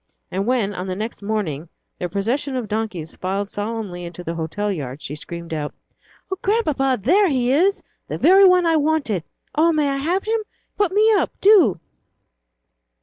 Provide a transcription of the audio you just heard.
And when, on the next morning, their procession of donkeys filed solemnly into the hotel yard, she screamed out, "Oh, Grandpapa, here he is, the very one I wanted! Oh, may I have him? Put me up, do!"